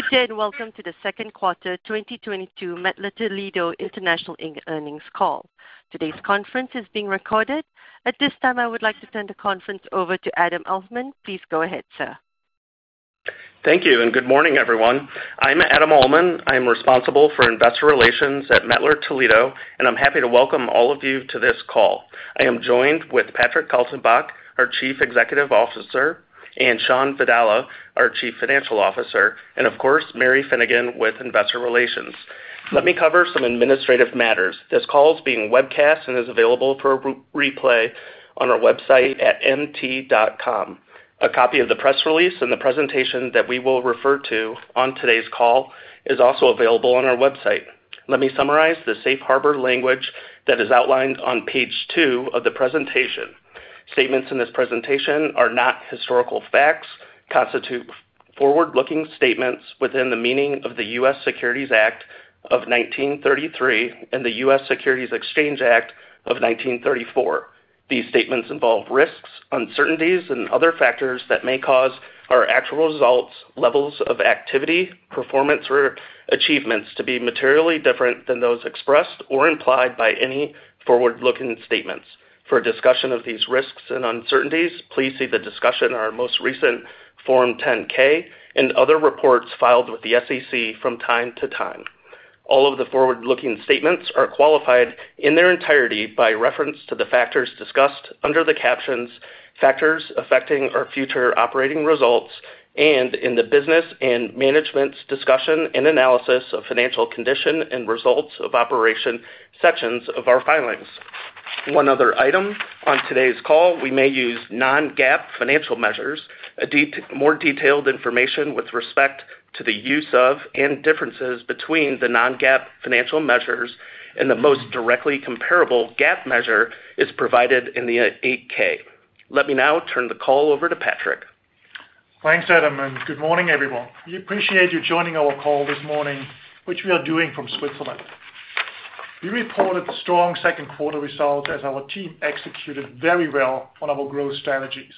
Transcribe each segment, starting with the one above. Good day, and welcome to the Second Quarter 2022 Mettler-Toledo International Inc Earnings Call. Today's conference is being recorded. At this time, I would like to turn the conference over to Adam Uhlman. Please go ahead, sir. Thank you, and good morning, everyone. I'm Adam Uhlman. I'm responsible for investor relations at Mettler-Toledo, and I'm happy to welcome all of you to this call. I am joined with Patrick Kaltenbach, our Chief Executive Officer, and Shawn Vadala, our Chief Financial Officer, and of course, Mary Finnegan with Investor Relations. Let me cover some administrative matters. This call is being webcast and is available for re-replay on our website at mt.com. A copy of the press release and the presentation that we will refer to on today's call is also available on our website. Let me summarize the safe harbor language that is outlined on page two of the presentation. Statements in this presentation are not historical facts, constitute forward-looking statements within the meaning of the U.S. Securities Act of 1933 and the U.S. Securities Exchange Act of 1934. These statements involve risks, uncertainties, and other factors that may cause our actual results, levels of activity, performance, or achievements to be materially different than those expressed or implied by any forward-looking statements. For a discussion of these risks and uncertainties, please see the discussion in our most recent Form 10-K and other reports filed with the SEC from time to time. All of the forward-looking statements are qualified in their entirety by reference to the factors discussed under the captions, Factors Affecting Our Future Operating Results, and in the Business and Management's Discussion and Analysis of Financial Condition, and Results of Operations sections of our filings. One other item, on today's call, we may use non-GAAP financial measures. More detailed information with respect to the use of and differences between the non-GAAP financial measures and the most directly comparable GAAP measure is provided in the 8-K. Let me now turn the call over to Patrick. Thanks, Adam, and good morning, everyone. We appreciate you joining our call this morning, which we are doing from Switzerland. We reported strong second quarter results as our team executed very well on our growth strategies.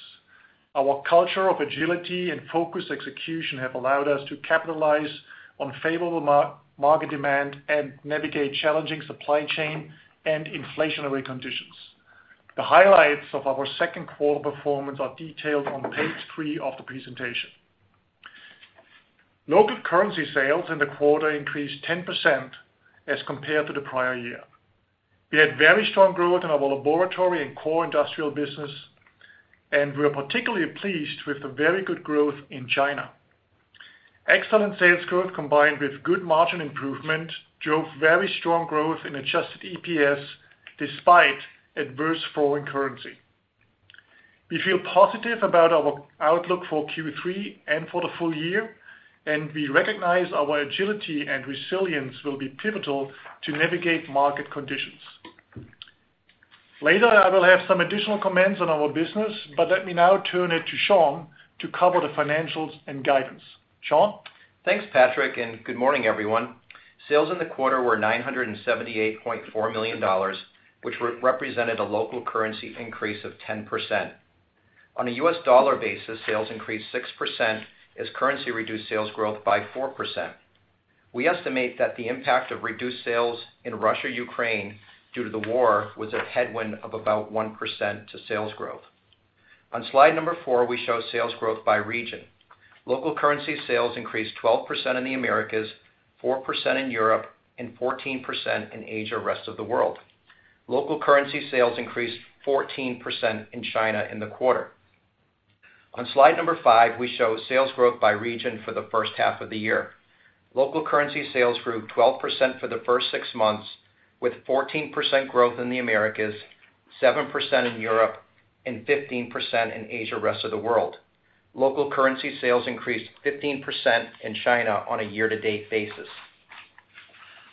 Our culture of agility and focused execution have allowed us to capitalize on favorable market demand and navigate challenging supply chain and inflationary conditions. The highlights of our second quarter performance are detailed on page three of the presentation. Local currency sales in the quarter increased 10% as compared to the prior year. We had very strong growth in our Laboratory and core industrial business, and we're particularly pleased with the very good growth in China. Excellent sales growth combined with good margin improvement drove very strong growth in adjusted EPS despite adverse foreign currency. We feel positive about our outlook for Q3 and for the full year, and we recognize our agility and resilience will be pivotal to navigate market conditions. Later, I will have some additional comments on our business, but let me now turn it to Shawn to cover the financials and guidance. Shawn? Thanks, Patrick, and good morning, everyone. Sales in the quarter were $978.4 million, which represented a local currency increase of 10%. On a U.S. dollar basis, sales increased 6% as currency reduced sales growth by 4%. We estimate that the impact of reduced sales in Russia, Ukraine due to the war was a headwind of about 1% to sales growth. On slide number four, we show sales growth by region. Local currency sales increased 12% in the Americas, 4% in Europe, and 14% in Asia, rest of the world. Local currency sales increased 14% in China in the quarter. On slide number five, we show sales growth by region for the first half of the year. Local currency sales grew 12% for the first six months, with 14% growth in the Americas, 7% in Europe, and 15% in Asia/Rest of the World. Local currency sales increased 15% in China on a year-to-date basis.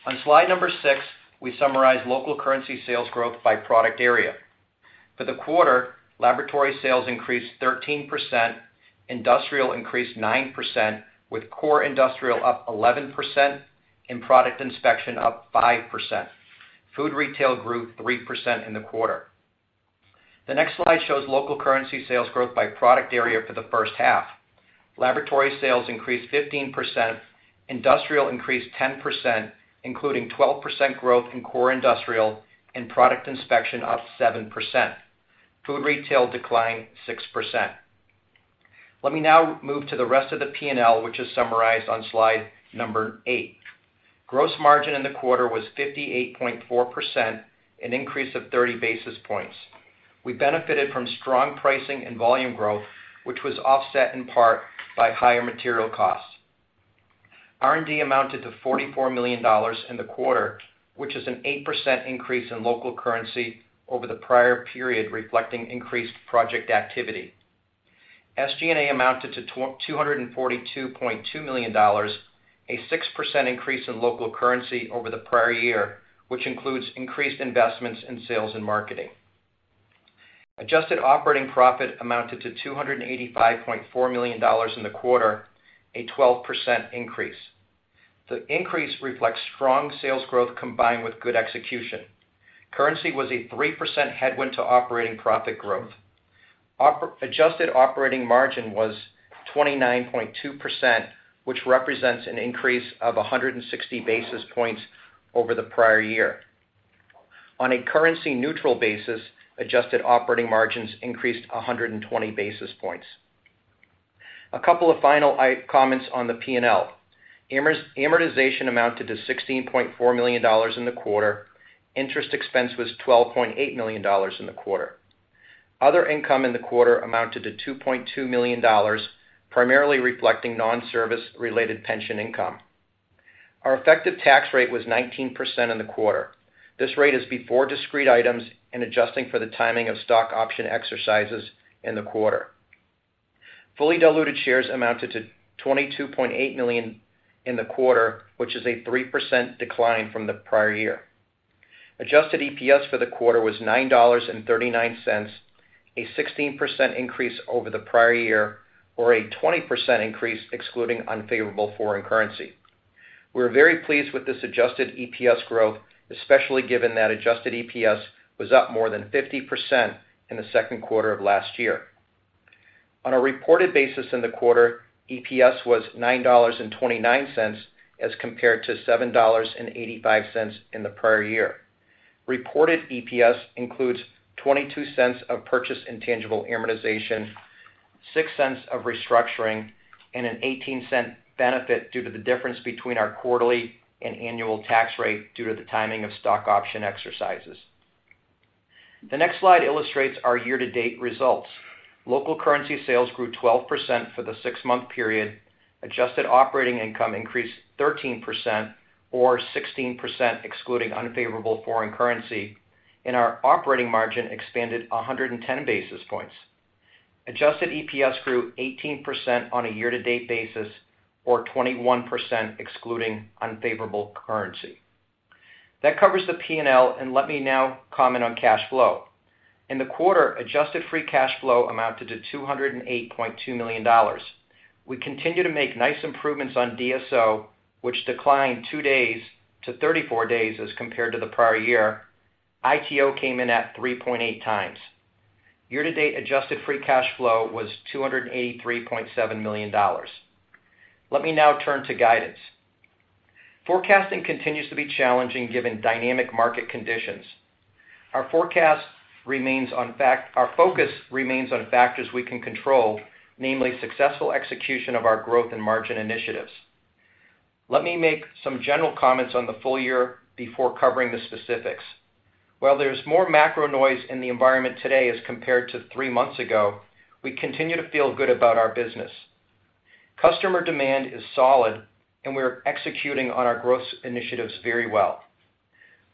On slide number six, we summarize local currency sales growth by product area. For the quarter, Laboratory sales increased 13%, Industrial increased 9%, with core industrial up 11% and Product Inspection up 5%. Food Retail grew 3% in the quarter. The next slide shows local currency sales growth by product area for the first half. Laboratory sales increased 15%. Industrial increased 10%, including 12% growth in core industrial and Product Inspection up 7%. Food Retail declined 6%. Let me now move to the rest of the P&L, which is summarized on slide number eight. Gross margin in the quarter was 58.4%, an increase of 30 basis points. We benefited from strong pricing and volume growth, which was offset in part by higher material costs. R&D amounted to $44 million in the quarter, which is an 8% increase in local currency over the prior period, reflecting increased project activity. SG&A amounted to $242.2 million, a 6% increase in local currency over the prior year, which includes increased investments in sales and marketing. Adjusted operating profit amounted to $285.4 million in the quarter, a 12% increase. The increase reflects strong sales growth combined with good execution. Currency was a 3% headwind to operating profit growth. Adjusted operating margin was 29.2%, which represents an increase of 160 basis points over the prior year. On a currency neutral basis, adjusted operating margins increased 120 basis points. A couple of final comments on the P&L. Amortization amounted to $16.4 million in the quarter. Interest expense was $12.8 million in the quarter. Other income in the quarter amounted to $2.2 million, primarily reflecting non-service related pension income. Our effective tax rate was 19% in the quarter. This rate is before discrete items and adjusting for the timing of stock option exercises in the quarter. Fully diluted shares amounted to 22.8 million in the quarter, which is a 3% decline from the prior year. Adjusted EPS for the quarter was $9.39, a 16% increase over the prior year, or a 20% increase excluding unfavorable foreign currency. We're very pleased with this adjusted EPS growth, especially given that adjusted EPS was up more than 50% in the second quarter of last year. On a reported basis in the quarter, EPS was $9.29, as compared to $7.85 in the prior year. Reported EPS includes $0.22 of purchase intangible amortization, $0.06 of restructuring, and an $0.18 benefit due to the difference between our quarterly and annual tax rate due to the timing of stock option exercises. The next slide illustrates our year-to-date results. Local currency sales grew 12% for the six-month period. Adjusted operating income increased 13% or 16% excluding unfavorable foreign currency, and our operating margin expanded 110 basis points. Adjusted EPS grew 18% on a year-to-date basis or 21% excluding unfavorable currency. That covers the P&L, and let me now comment on cash flow. In the quarter, adjusted free cash flow amounted to $208.2 million. We continue to make nice improvements on DSO, which declined two days to 34 days as compared to the prior year. ITO came in at 3.8x. Year-to-date adjusted free cash flow was $283.7 million. Let me now turn to guidance. Forecasting continues to be challenging given dynamic market conditions. Our focus remains on factors we can control, namely successful execution of our growth and margin initiatives. Let me make some general comments on the full year before covering the specifics. While there's more macro noise in the environment today as compared to three months ago, we continue to feel good about our business. Customer demand is solid, and we are executing on our growth initiatives very well.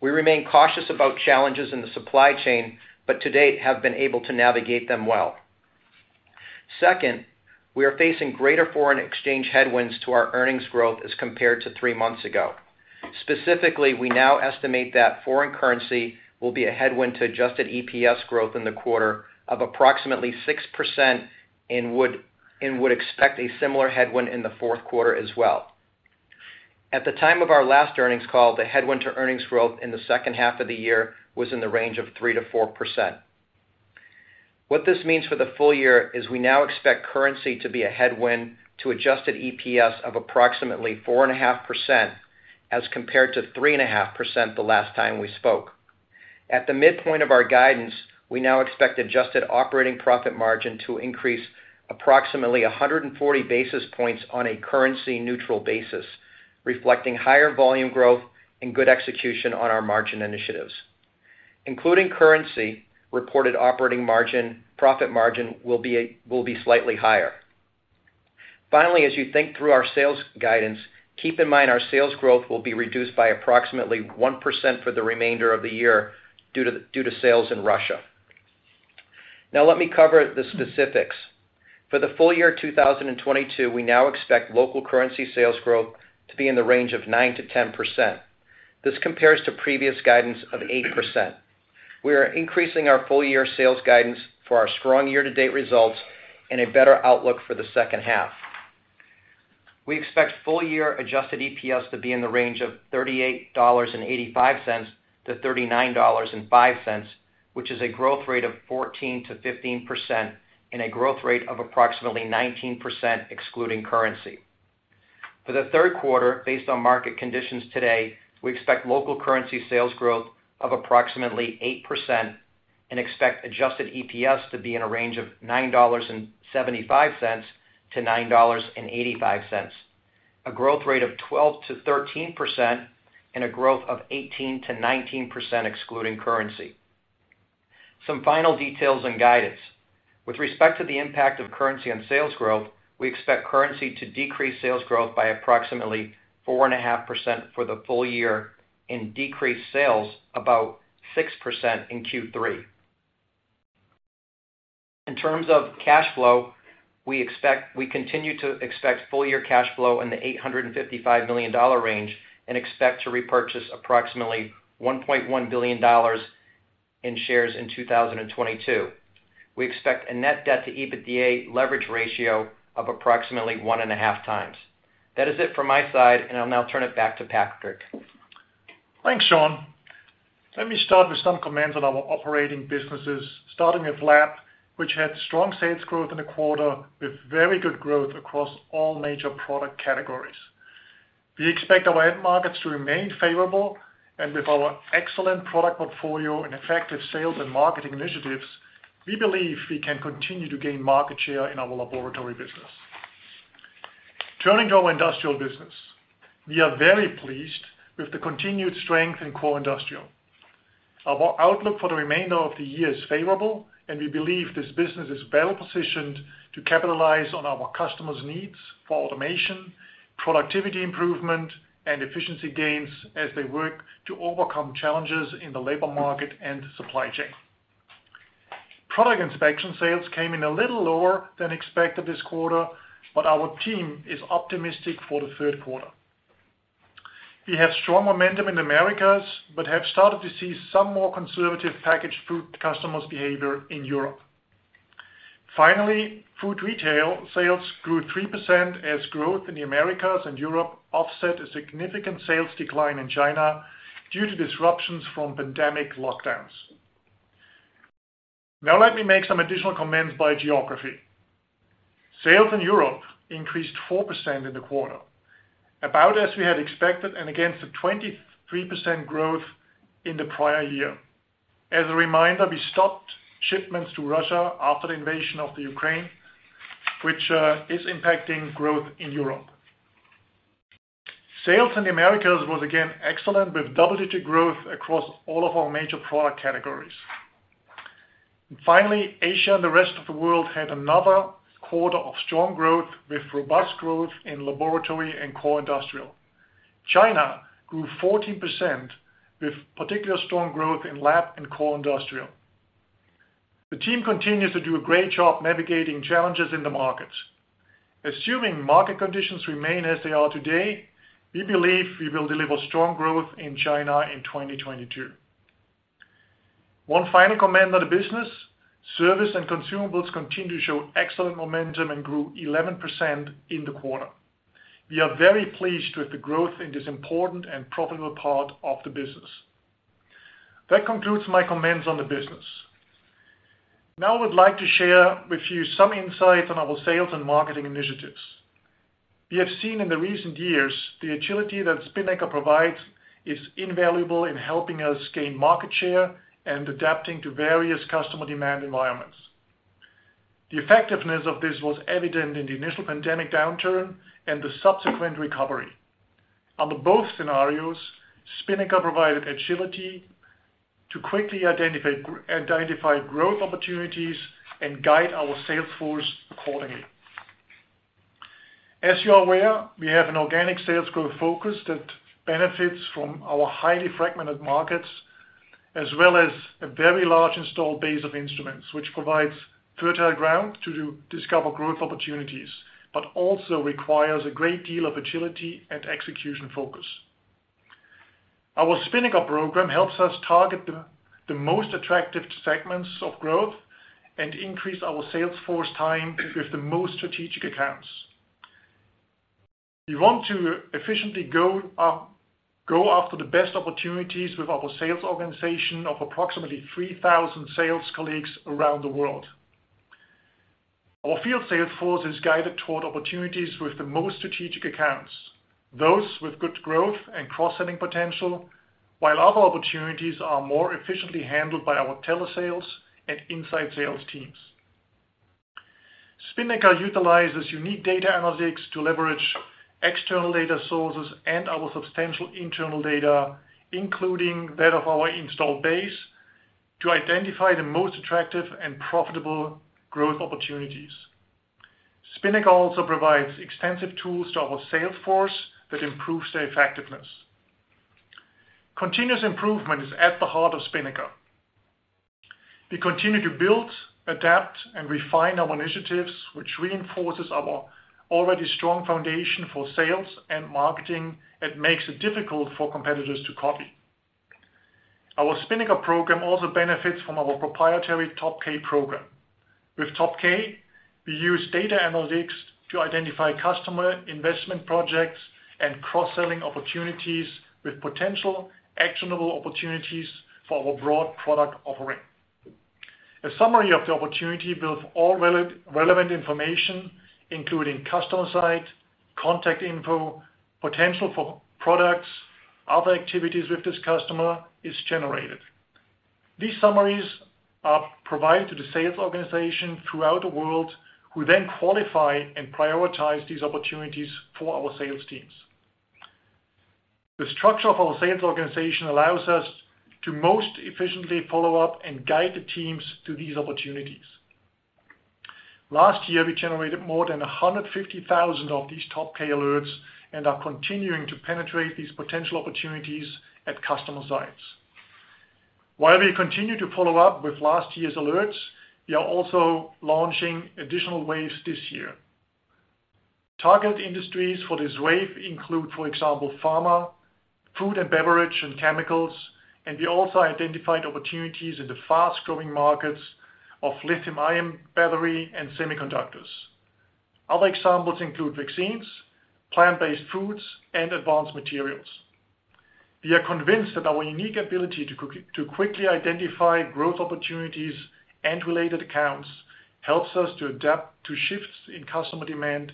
We remain cautious about challenges in the supply chain, but to date have been able to navigate them well. Second, we are facing greater foreign exchange headwinds to our earnings growth as compared to three months ago. Specifically, we now estimate that foreign currency will be a headwind to adjusted EPS growth in the quarter of approximately 6% and would expect a similar headwind in the fourth quarter as well. At the time of our last earnings call, the headwind to earnings growth in the second half of the year was in the range of 3%-4%. What this means for the full year is we now expect currency to be a headwind to adjusted EPS of approximately 4.5% as compared to 3.5% the last time we spoke. At the midpoint of our guidance, we now expect adjusted operating profit margin to increase approximately 140 basis points on a currency neutral basis, reflecting higher volume growth and good execution on our margin initiatives. Including currency, reported operating profit margin will be slightly higher. Finally, as you think through our sales guidance, keep in mind our sales growth will be reduced by approximately 1% for the remainder of the year due to sales in Russia. Now, let me cover the specifics. For the full year 2022, we now expect local currency sales growth to be in the range of 9%-10%. This compares to previous guidance of 8%. We are increasing our full year sales guidance for our strong year-to-date results and a better outlook for the second half. We expect full year adjusted EPS to be in the range of $38.85-$39.05, which is a growth rate of 14%-15% and a growth rate of approximately 19% excluding currency. For the third quarter, based on market conditions today, we expect local currency sales growth of approximately 8% and expect adjusted EPS to be in a range of $9.75-$9.85, a growth rate of 12%-13% and a growth of 18%-19% excluding currency. Some final details and guidance. With respect to the impact of currency on sales growth, we expect currency to decrease sales growth by approximately 4.5% for the full year and decrease sales about 6% in Q3. In terms of cash flow, we continue to expect full-year cash flow in the $855 million range and expect to repurchase approximately $1.1 billion in shares in 2022. We expect a net debt to EBITDA leverage ratio of approximately 1.5x. That is it from my side, and I'll now turn it back to Patrick. Thanks, Shawn. Let me start with some comments on our operating businesses, starting with Lab, which had strong sales growth in the quarter with very good growth across all major product categories. We expect our end markets to remain favorable, and with our excellent product portfolio and effective sales and marketing initiatives, we believe we can continue to gain market share in our Laboratory business. Turning to our Industrial business. We are very pleased with the continued strength in core industrial. Our outlook for the remainder of the year is favorable, and we believe this business is well-positioned to capitalize on our customers' needs for automation, productivity improvement, and efficiency gains as they work to overcome challenges in the labor market and supply chain. Product Inspection sales came in a little lower than expected this quarter, but our team is optimistic for the third quarter. We have strong momentum in Americas but have started to see some more conservative packaged food customers' behavior in Europe. Finally, Food Retail sales grew 3% as growth in the Americas and Europe offset a significant sales decline in China due to disruptions from pandemic lockdowns. Now, let me make some additional comments by geography. Sales in Europe increased 4% in the quarter, about as we had expected, and against the 23% growth in the prior year. As a reminder, we stopped shipments to Russia after the invasion of the Ukraine, which is impacting growth in Europe. Sales in Americas was again excellent, with double-digit growth across all of our major product categories. Finally, Asia and the rest of the world had another quarter of strong growth with robust growth in Laboratory and core industrial. China grew 14%, with particular strong growth in Lab and core industrial. The team continues to do a great job navigating challenges in the markets. Assuming market conditions remain as they are today, we believe we will deliver strong growth in China in 2022. One final comment on the business. Service and consumables continue to show excellent momentum and grew 11% in the quarter. We are very pleased with the growth in this important and profitable part of the business. That concludes my comments on the business. Now I would like to share with you some insights on our sales and marketing initiatives. We have seen in the recent years the agility that Spinnaker provides is invaluable in helping us gain market share and adapting to various customer demand environments. The effectiveness of this was evident in the initial pandemic downturn and the subsequent recovery. Under both scenarios, Spinnaker provided agility to quickly identify growth opportunities and guide our sales force accordingly. As you are aware, we have an organic sales growth focus that benefits from our highly-fragmented markets, as well as a very large installed base of instruments, which provides fertile ground to discover growth opportunities, but also requires a great deal of agility and execution focus. Our Spinnaker program helps us target the most attractive segments of growth and increase our sales force time with the most strategic accounts. We want to efficiently go after the best opportunities with our sales organization of approximately 3,000 sales colleagues around the world. Our field sales force is guided toward opportunities with the most strategic accounts, those with good growth and cross-selling potential, while other opportunities are more efficiently handled by our telesales and inside sales teams. Spinnaker utilizes unique data analytics to leverage external data sources and our substantial internal data, including that of our installed base, to identify the most attractive and profitable growth opportunities. Spinnaker also provides extensive tools to our sales force that improves their effectiveness. Continuous improvement is at the heart of Spinnaker. We continue to build, adapt, and refine our initiatives, which reinforces our already strong foundation for sales and marketing that makes it difficult for competitors to copy. Our Spinnaker program also benefits from our proprietary topK program. With topK, we use data analytics to identify customer investment projects and cross-selling opportunities with potential actionable opportunities for our broad product offering. A summary of the opportunity with all valid relevant information, including customer site, contact info, potential for products, other activities with this customer, is generated. These summaries are provided to the sales organization throughout the world, who then qualify and prioritize these opportunities for our sales teams. The structure of our sales organization allows us to most efficiently follow up and guide the teams to these opportunities. Last year, we generated more than 150,000 of these topK alerts and are continuing to penetrate these potential opportunities at customer sites. While we continue to follow up with last year's alerts, we are also launching additional waves this year. Target industries for this wave include, for example, pharma, food and beverage, and chemicals, and we also identified opportunities in the fast-growing markets of lithium-ion battery and semiconductors. Other examples include vaccines, plant-based foods, and advanced materials. We are convinced that our unique ability to quickly identify growth opportunities and related accounts helps us to adapt to shifts in customer demand,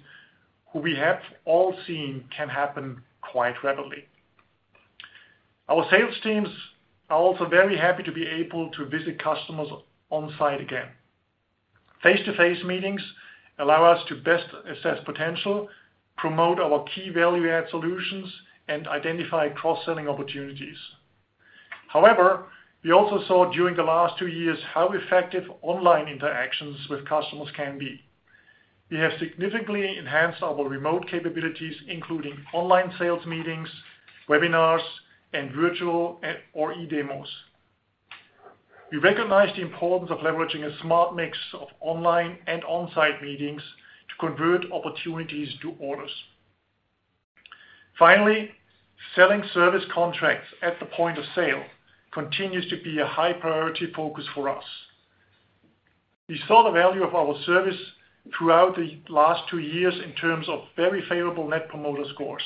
who we have all seen can happen quite rapidly. Our sales teams are also very happy to be able to visit customers on site again. Face-to-face meetings allow us to best assess potential, promote our key value-add solutions, and identify cross-selling opportunities. However, we also saw during the last two years how effective online interactions with customers can be. We have significantly enhanced our remote capabilities, including online sales meetings, webinars, and virtual or eDemos. We recognize the importance of leveraging a smart mix of online and on-site meetings to convert opportunities to orders. Finally, selling service contracts at the point of sale continues to be a high priority focus for us. We saw the value of our service throughout the last two years in terms of very favorable Net Promoter Scores.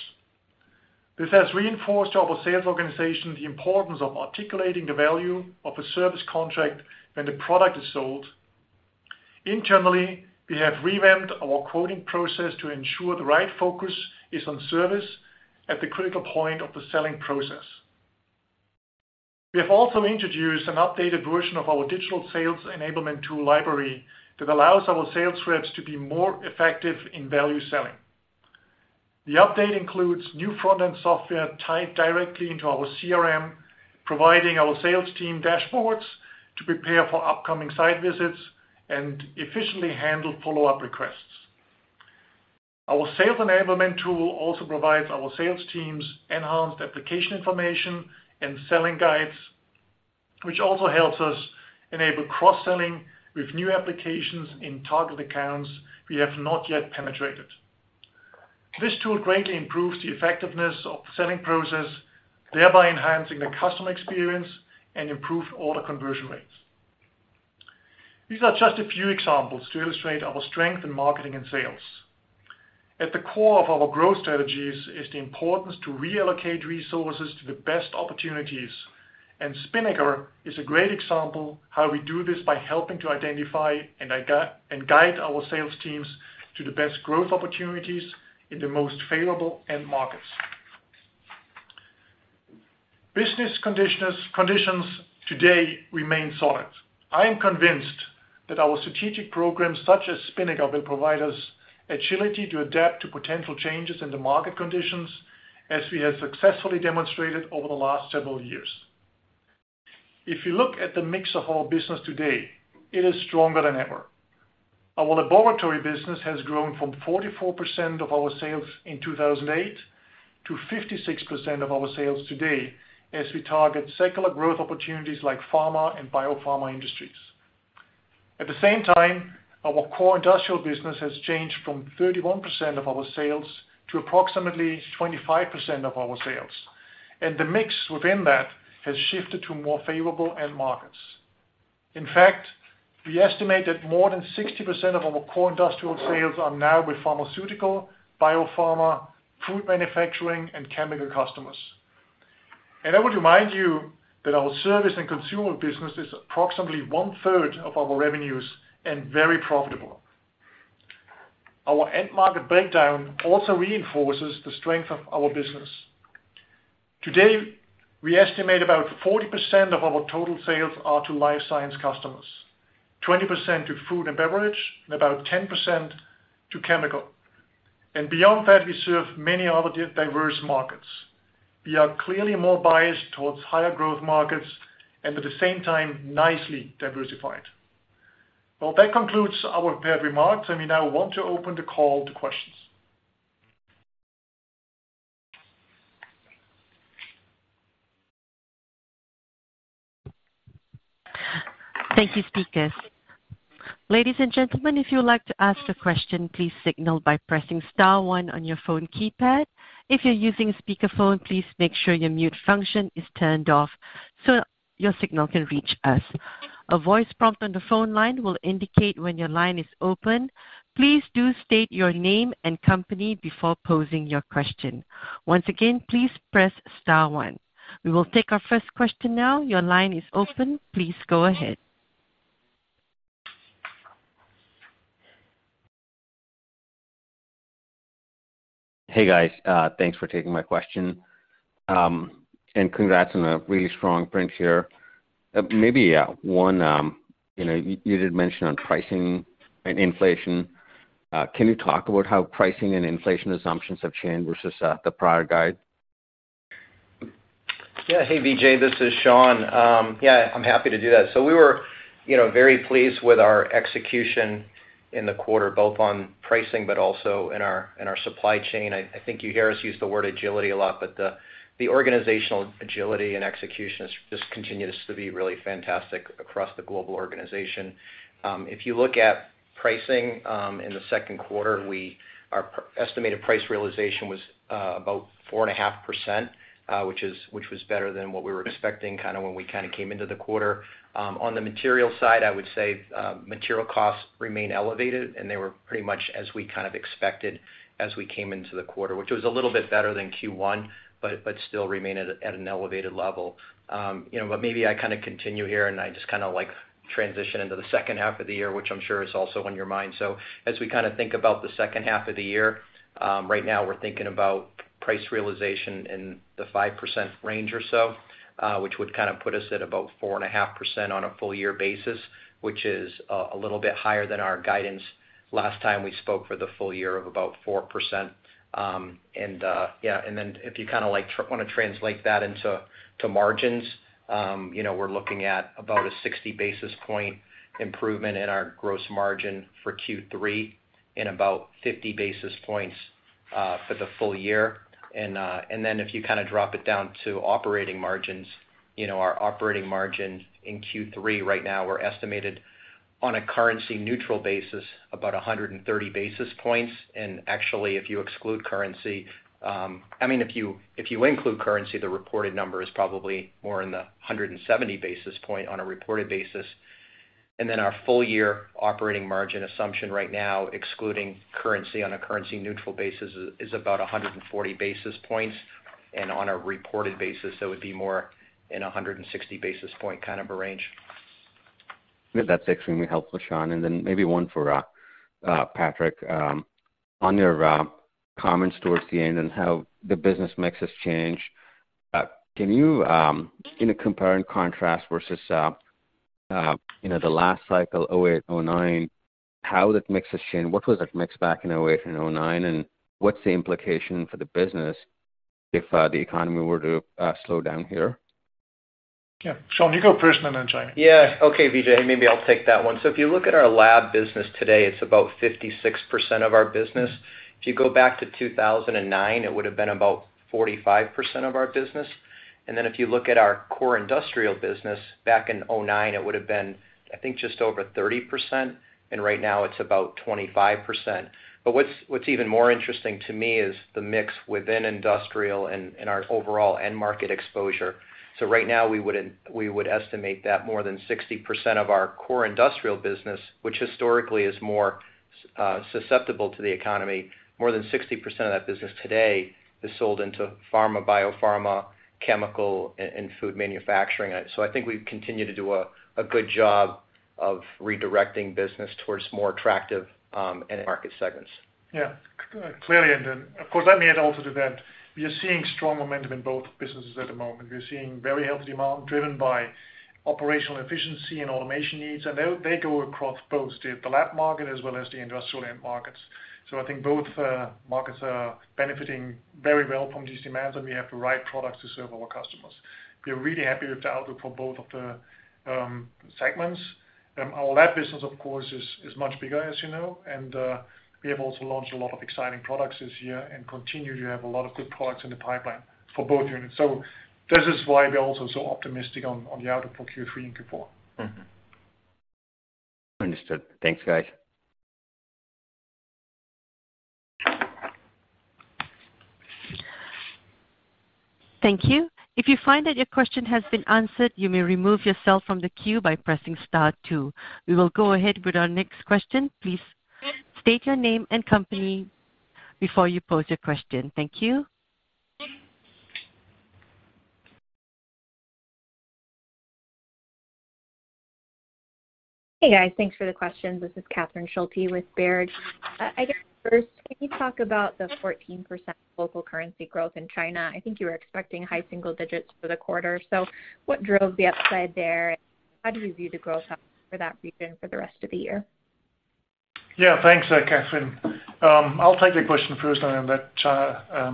This has reinforced to our sales organization the importance of articulating the value of a service contract when the product is sold. Internally, we have revamped our quoting process to ensure the right focus is on service at the critical point of the selling process. We have also introduced an updated version of our digital sales enablement tool library that allows our sales reps to be more effective in value selling. The update includes new front-end software tied directly into our CRM, providing our sales team dashboards to prepare for upcoming site visits and efficiently handle follow-up requests. Our sales enablement tool also provides our sales teams enhanced application information and selling guides, which also helps us enable cross-selling with new applications in target accounts we have not yet penetrated. This tool greatly improves the effectiveness of the selling process, thereby enhancing the customer experience and improve order conversion rates. These are just a few examples to illustrate our strength in marketing and sales. At the core of our growth strategies is the importance to reallocate resources to the best opportunities, and Spinnaker is a great example how we do this by helping to identify and guide our sales teams to the best growth opportunities in the most favorable end markets. Business conditions today remain solid. I am convinced that our strategic programs, such as Spinnaker, will provide us agility to adapt to potential changes in the market conditions as we have successfully demonstrated over the last several years. If you look at the mix of our business today, it is stronger than ever. Our Laboratory business has grown from 44% of our sales in 2008 to 56% of our sales today as we target secular growth opportunities like pharma and biopharma industries. At the same time, our core industrial business has changed from 31% of our sales to approximately 25% of our sales. The mix within that has shifted to more favorable end markets. In fact, we estimate that more than 60% of our core industrial sales are now with pharmaceutical, biopharma, food manufacturing, and chemical customers. I would remind you that our service and consumer business is approximately 1/3 of our revenues and very profitable. Our end-market breakdown also reinforces the strength of our business. Today, we estimate about 40% of our total sales are to life science customers, 20% to food and beverage, and about 10% to chemical. Beyond that, we serve many other diverse markets. We are clearly more biased towards higher growth markets and at the same time, nicely diversified. Well, that concludes our prepared remarks, and we now want to open the call to questions. Thank you, speakers. Ladies and gentlemen, if you would like to ask a question, please signal by pressing star one on your phone keypad. If you're using speakerphone, please make sure your mute function is turned off so your signal can reach us. A voice prompt on the phone line will indicate when your line is open. Please do state your name and company before posing your question. Once again, please press star one. We will take our first question now. Your line is open. Please go ahead. Hey, guys. Thanks for taking my question. Congrats on a really strong print here. You did mention on pricing and inflation. Can you talk about how pricing and inflation assumptions have changed versus the prior guide? Yeah. Hey, Vijay, this is Shawn. Yeah, I'm happy to do that. We were, you know, very pleased with our execution in the quarter, both on pricing but also in our supply chain. I think you hear us use the word agility a lot, but the organizational agility and execution is just continues to be really fantastic across the global organization. If you look at pricing in the second quarter, our estimated price realization was about 4.5%, which was better than what we were expecting kind of when we kind of came into the quarter. On the material side, I would say, material costs remain elevated, and they were pretty much as we kind of expected as we came into the quarter, which was a little bit better than Q1, but still remain at an elevated level. You know, but maybe I kind of continue here, and I just kind of like transition into the second half of the year, which I'm sure is also on your mind. As we kind of think about the second half of the year, right now we're thinking about price realization in the 5% range or so, which would kind of put us at about 4.5% on a full year basis, which is a little bit higher than our guidance last time we spoke for the full year of about 4%. Yeah, then if you kind of like want to translate that into margins, you know, we're looking at about a 60 basis point improvement in our gross margin for Q3 and about 50 basis points for the full year. If you kind of drop it down to operating margins, you know, our operating margin in Q3 right now we're estimated on a currency neutral basis about 130 basis points. Actually, if you exclude currency, I mean, if you include currency, the reported number is probably more in the 170 basis points on a reported basis. Our full-year operating margin assumption right now, excluding currency on a currency neutral basis is about 140 basis points. On a reported basis, that would be more like a 160 basis points kind of a range. Yeah, that's extremely helpful, Shawn. Then maybe one for Patrick. On your comments towards the end and how the business mix has changed. Can you you know compare and contrast versus you know the last cycle, 2008, 2009, how that mix has changed? What was that mix back in 2008 and 2009, and what's the implication for the business if the economy were to slow down here? Shawn, you go first and then I join. Yeah. Okay, Vijay. Maybe I'll take that one. If you look at our Lab business today, it's about 56% of our business. If you go back to 2009, it would have been about 45% of our business. Then if you look at our core industrial business back in 2009, it would have been, I think, just over 30%, and right now it's about 25%. What's even more interesting to me is the mix within industrial and our overall end-market exposure. Right now we would estimate that more than 60% of our core industrial business, which historically is more susceptible to the economy, more than 60% of that business today is sold into pharma, biopharma, chemical, and food manufacturing. I think we've continued to do a good job of redirecting business toward more attractive end-market segments. Yeah. Clearly, of course, let me add also to that. We are seeing strong momentum in both businesses at the moment. We're seeing very healthy demand driven by operational efficiency and automation needs. They go across both the lab market as well as the industrial end markets. I think both markets are benefiting very well from these demands, and we have the right products to serve our customers. We are really happy with the outlook for both of the segments. Our Lab business of course is much bigger, as you know, and we have also launched a lot of exciting products this year and continue to have a lot of good products in the pipeline for both units. This is why we are also so optimistic on the outlook for Q3 and Q4. Understood. Thanks, guys. Thank you. If you find that your question has been answered, you may remove yourself from the queue by pressing star two. We will go ahead with our next question. Please state your name and company before you pose your question. Thank you. Hey, guys. Thanks for the questions. This is Catherine Schulte with Baird. I guess first, can you talk about the 14% local currency growth in China? I think you were expecting high single-digits for the quarter. What drove the upside there, and how do you view the growth opportunity for that region for the rest of the year? Yeah. Thanks, Catherine. I'll take the question first and then let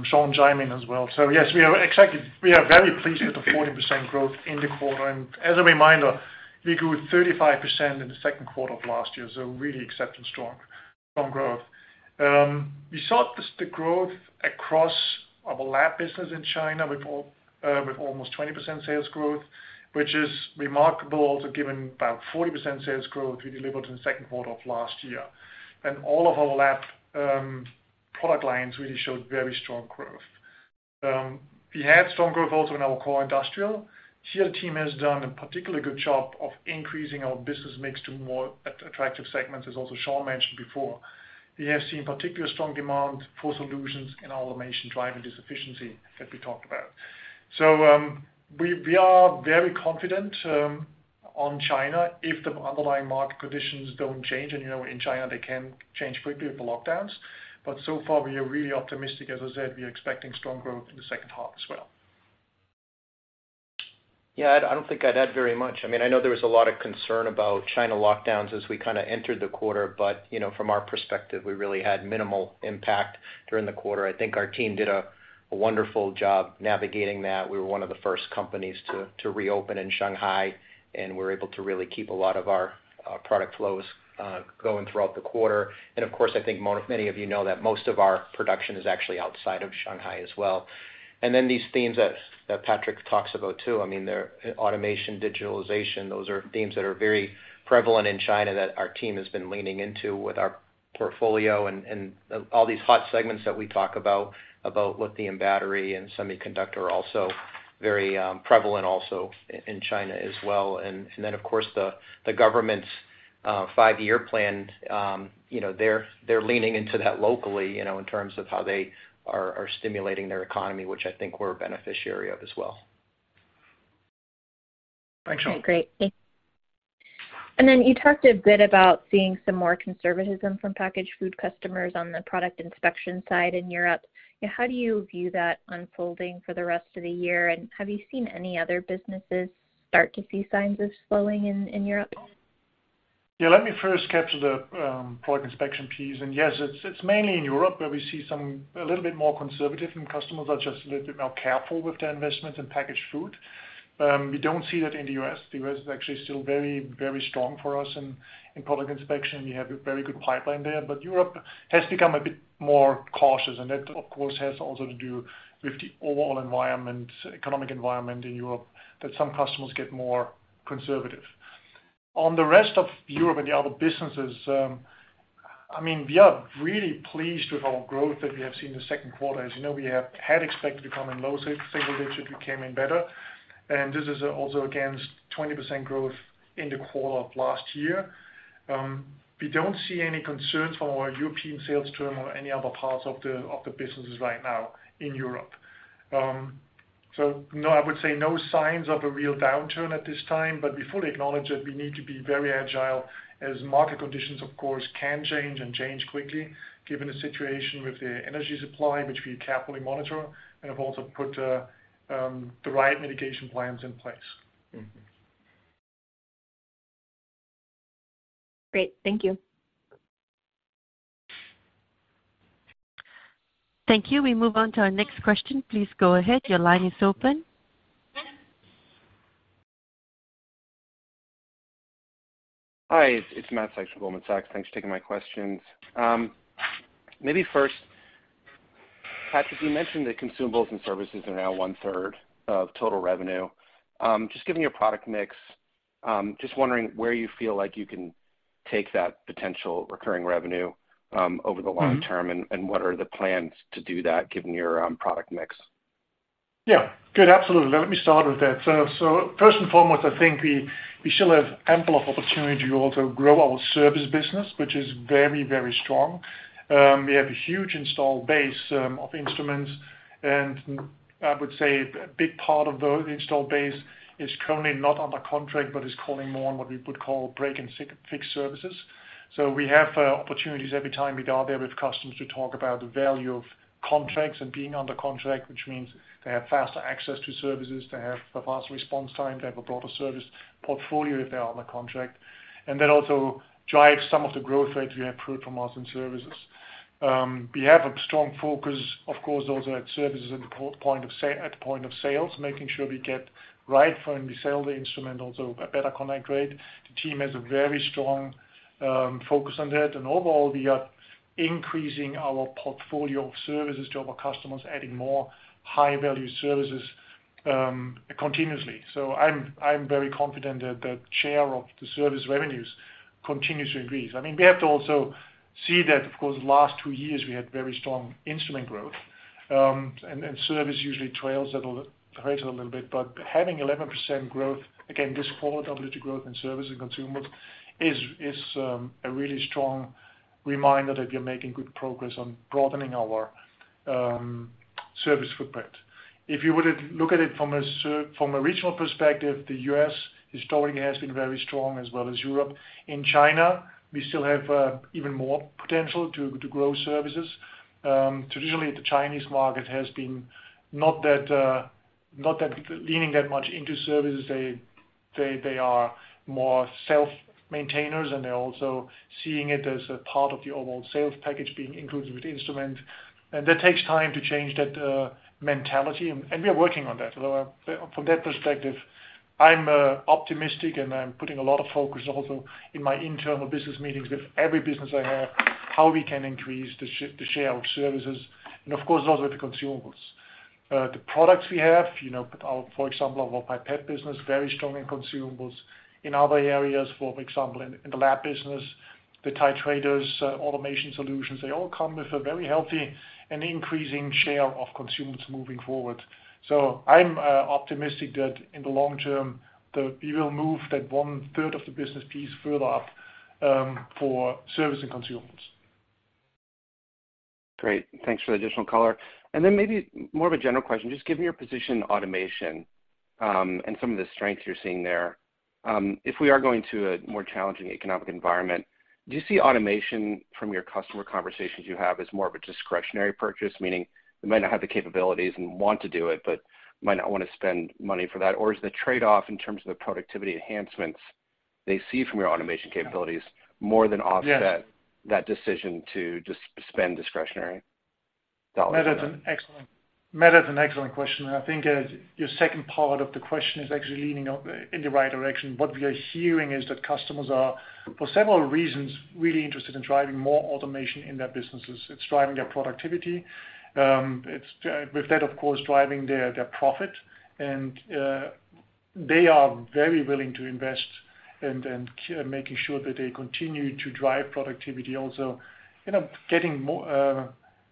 Shawn chime in as well. Yes, we are excited. We are very pleased with the 14% growth in the quarter. As a reminder, we grew 35% in the second quarter of last year, so really exceptional, strong growth. We saw the growth across our Lab business in China with almost 20% sales growth, which is remarkable also given about 40% sales growth we delivered in the second quarter of last year. All of our Lab product lines really showed very strong growth. We had strong growth also in our core industrial. Here the team has done a particularly good job of increasing our business mix to more attractive segments, as also Shawn mentioned before. We have seen particularly strong demand for solutions in automation driving this efficiency that we talked about. We are very confident on China if the underlying market conditions don't change. You know, in China, they can change quickly with the lockdowns. We are really optimistic. As I said, we are expecting strong growth in the second half as well. Yeah. I don't think I'd add very much. I mean, I know there was a lot of concern about China lockdowns as we kind of entered the quarter, but you know, from our perspective, we really had minimal impact during the quarter. I think our team did a wonderful job navigating that. We were one of the first companies to reopen in Shanghai, and we're able to really keep a lot of our product flows going throughout the quarter. Of course, I think many of you know that most of our production is actually outside of Shanghai as well. These themes that Patrick talks about too, I mean, they're automation, digitalization, those are themes that are very prevalent in China that our team has been leaning into with our portfolio and all these hot segments that we talk about lithium battery and semiconductor are also very prevalent also in China as well. Then, of course, the government's Five-Year Plan, you know, they're leaning into that locally, you know, in terms of how they are stimulating their economy, which I think we're a beneficiary of as well. Okay, great. Then you talked a bit about seeing some more conservatism from packaged food customers on the Product Inspection side in Europe. You know, how do you view that unfolding for the rest of the year? Have you seen any other businesses start to see signs of slowing in Europe? Yeah, let me first capture the Product Inspection piece. Yes, it's mainly in Europe where we see a little bit more conservative, and customers are just a little bit more careful with their investments in packaged food. We don't see that in the U.S. The U.S. is actually still very, very strong for us in Product Inspection. We have a very good pipeline there. Europe has become a bit more cautious, and that, of course, has also to do with the overall environment, economic environment in Europe, that some customers get more conservative. On the rest of Europe and the other businesses, I mean, we are really pleased with our growth that we have seen in the second quarter. As you know, we had expected to come in low single-digit. We came in better. This is also against 20% growth in the quarter of last year. We don't see any concerns from our European sales team or any other parts of the businesses right now in Europe. No, I would say no signs of a real downturn at this time, but we fully acknowledge that we need to be very agile as market conditions, of course, can change and change quickly given the situation with the energy supply, which we carefully monitor and have also put the right mitigation plans in place. Great. Thank you. Thank you. We move on to our next question. Please go ahead. Your line is open. Hi, it's Matt Sykes from Goldman Sachs. Thanks for taking my questions. Maybe first, Patrick, you mentioned that consumables and services are now 1/3 of total revenue. Just given your product mix, just wondering where you feel like you can take that potential recurring revenue, over the long term? Mm-hmm. What are the plans to do that given your product mix? Yeah. Good, absolutely. Let me start with that. First and foremost, I think we still have ample opportunity to also grow our service business, which is very strong. We have a huge install base of instruments, and I would say a big part of the install base is currently not under contract but is calling more on what we would call break-and-fix services. We have opportunities every time we are there with customers to talk about the value of contracts and being under contract, which means they have faster access to services, they have a faster response time, they have a broader service portfolio if they are under contract. That also drives some of the growth rate we have heard from us in services. We have a strong focus, of course, also at services at the point of sales, making sure we get right when we sell the instrument, also a better connect rate. The team has a very strong focus on that. Overall, we are increasing our portfolio of services to our customers, adding more high-value services continuously. I'm very confident that the share of the service revenues continues to increase. I mean, we have to also see that, of course, the last two years we had very strong instrument growth, and then service usually trails at a rate a little bit. Having 11% growth, again, this quarter double-digit growth in service and consumables is a really strong reminder that we are making good progress on broadening our service footprint. If you would look at it from a regional perspective, the U.S. historically has been very strong, as well as Europe. In China, we still have even more potential to grow services. Traditionally, the Chinese market has been not that leaning that much into services. They are more self-maintainers, and they're also seeing it as a part of the overall sales package being included with the instrument. That takes time to change that mentality, and we are working on that. From that perspective, I'm optimistic, and I'm putting a lot of focus also in my internal business meetings with every business I have, how we can increase the share of services and, of course, also with the consumables. The products we have, you know, for example, our pipette business, very strong in consumables. In other areas, for example, in the Lab business, the titrators, automation solutions, they all come with a very healthy and increasing share of consumables moving forward. I'm optimistic that in the long term, that we will move that 1/3 of the business piece further up, for service and consumables. Great. Thanks for the additional color. Maybe more of a general question. Just given your position in automation, and some of the strengths you're seeing there, if we are going to a more challenging economic environment, do you see automation from your customer conversations you have as more of a discretionary purchase, meaning they might not have the capabilities and want to do it, but might not wanna spend money for that? Or is the trade-off in terms of the productivity enhancements they see from your automation capabilities more than offset. Yes. That decision to just spend discretionary dollars on that? Matt, that's an excellent question, and I think your second part of the question is actually leading up in the right direction. What we are hearing is that customers are, for several reasons, really interested in driving more automation in their businesses. It's driving their productivity. It's, with that, of course, driving their profit. They are very willing to invest and making sure that they continue to drive productivity also. End up getting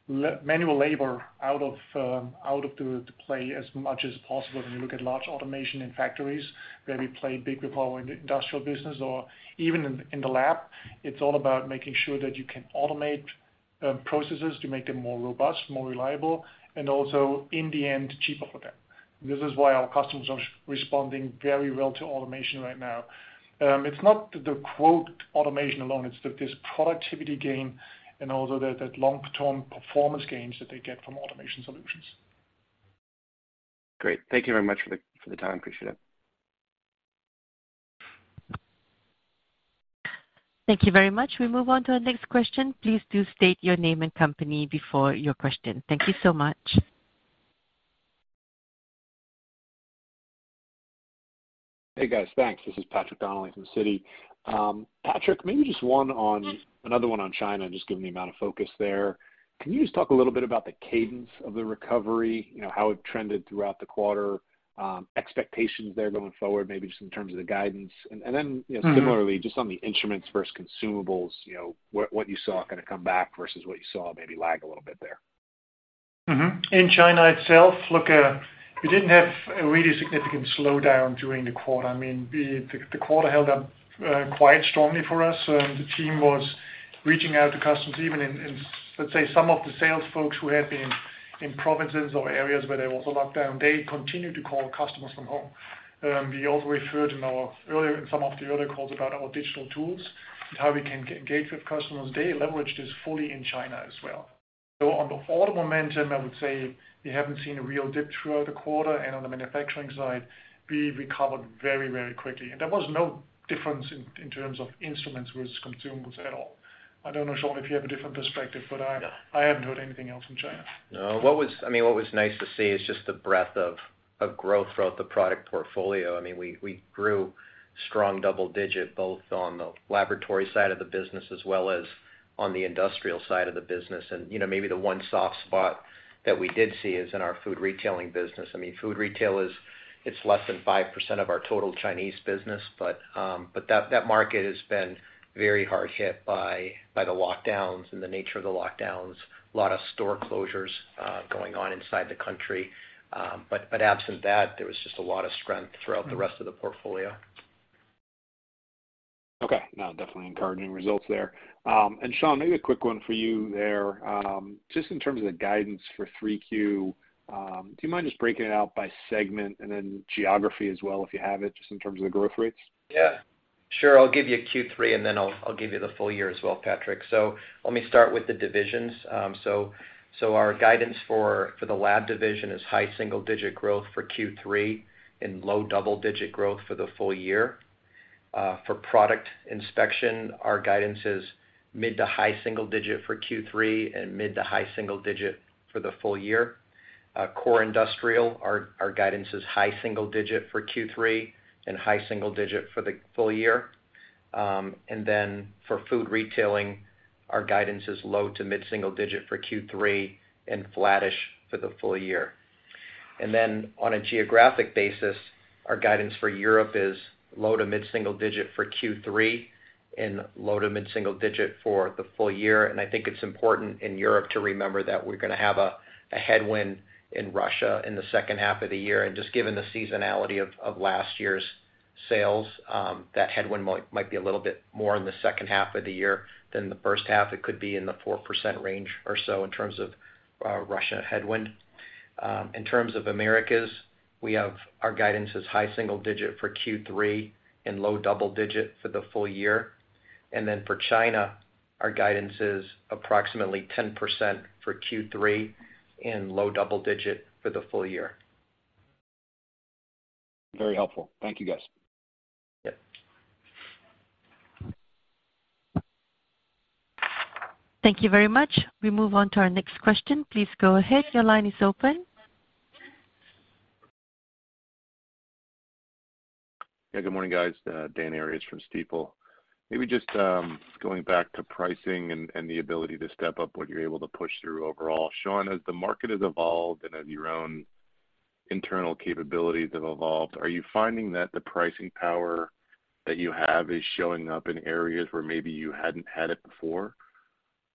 manual labor out of the play as much as possible. When you look at large automation in factories where we play a big role in the industrial business or even in the lab, it's all about making sure that you can automate processes to make them more robust, more reliable, and also in the end, cheaper for them. This is why our customers are responding very well to automation right now. It's not the quote automation alone. It's this productivity gain and also the long-term performance gains that they get from automation solutions. Great. Thank you very much for the time. Appreciate it. Thank you very much. We move on to our next question. Please do state your name and company before your question. Thank you so much. Hey, guys. Thanks. This is Patrick Donnelly from Citi. Patrick, maybe just one on China, just given the amount of focus there. Can you just talk a little bit about the cadence of the recovery? You know, how it trended throughout the quarter, expectations there going forward, maybe just in terms of the guidance. Then, you know- Mm-hmm. Similarly, just on the instruments versus consumables, you know, what you saw kinda come back versus what you saw maybe lag a little bit there. In China itself, look, we didn't have a really significant slowdown during the quarter. I mean, the quarter held up quite strongly for us. The team was reaching out to customers even in, let's say some of the sales folks who had been in provinces or areas where there was a lockdown. They continued to call customers from home. We also referred in some of the earlier calls about our digital tools and how we can engage with customers. They leveraged this fully in China as well. On the auto momentum, I would say we haven't seen a real dip throughout the quarter, and on the manufacturing side, we recovered very, very quickly. There was no difference in terms of instruments versus consumables at all. I don't know, Shawn, if you have a different perspective, but I. Yeah. I haven't heard anything else from China. No. I mean, what was nice to see is just the breadth of growth throughout the product portfolio. I mean, we grew strong double-digit both on the Laboratory side of the business as well as on the Industrial side of the business. You know, maybe the one soft spot that we did see is in our Food Retail business. I mean, Food Retail is less than 5% of our total Chinese business, but that market has been very hard hit by the lockdowns and the nature of the lockdowns. A lot of store closures going on inside the country. But absent that, there was just a lot of strength throughout the rest of the portfolio. Okay. No, definitely encouraging results there. Shawn, maybe a quick one for you there. Just in terms of the guidance for 3Q, do you mind just breaking it out by segment and then geography as well, if you have it, just in terms of the growth rates? Yeah, sure. I'll give you Q3, and then I'll give you the full year as well, Patrick. Let me start with the divisions. Our guidance for the Lab division is high single-digit growth for Q3 and low double-digit growth for the full year. For Product Inspection, our guidance is mid-to-high single-digit for Q3 and mid-to-high single-digit for the full year. For core industrial, our guidance is high single-digit for Q3 and high single-digit for the full year. For Food Retail, our guidance is low to mid single-digit for Q3 and flattish for the full year. On a geographic basis, our guidance for Europe is low to mid single-digit for Q3 and low to mid single-digit for the full year. I think it's important in Europe to remember that we're gonna have a headwind in Russia in the second half of the year. Just given the seasonality of last year's sales, that headwind might be a little bit more in the second half of the year than the first half. It could be in the 4% range or so in terms of Russia headwind. In terms of Americas, we have our guidance is high single-digit for Q3 and low double-digit for the full year. Then for China, our guidance is approximately 10% for Q3 and low double-digit for the full year. Very helpful. Thank you, guys. Thank you very much. We move on to our next question. Please go ahead. Your line is open. Yeah, good morning, guys. Dan Arias from Stifel. Maybe just going back to pricing and the ability to step up what you're able to push through overall. Shawn, as the market has evolved and as your own internal capabilities have evolved, are you finding that the pricing power that you have is showing up in areas where maybe you hadn't had it before?